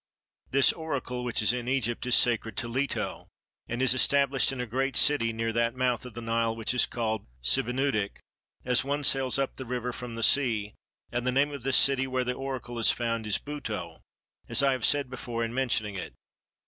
This Oracle which is in Egypt is sacred to Leto, and it is established in a great city near that mouth of the Nile which is called Sebennytic, as one sails up the river from the sea; and the name of this city where the Oracle is found is Buto, as I have said before in mentioning it.